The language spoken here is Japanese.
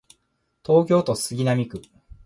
東京都杉並区